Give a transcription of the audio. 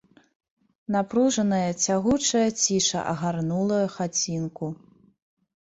Напружаная, цягучая ціша агарнула хацінку.